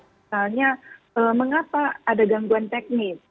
misalnya mengapa ada gangguan teknis